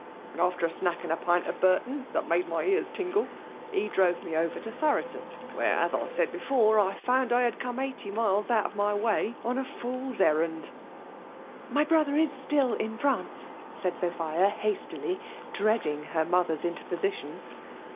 and after a snack and a pint of Burton that made my ears tingle, he drove me over to Thoroton, where, as I said before^ I found I had come eighty miles out of my way, on a fooVs errand" " My brother is still in France,'* said Sophia hastily, dreading her mother's interposition.